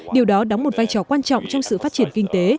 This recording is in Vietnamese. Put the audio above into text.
điều đó đóng một vai trò quan trọng trong sự phát triển kinh tế